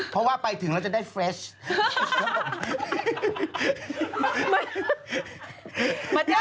เพราะว่าไปถึงแล้วจะได้เฟรช